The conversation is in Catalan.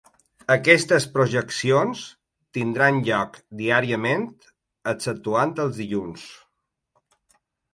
Aquestes projeccions tindran lloc diàriament exceptuant els dilluns.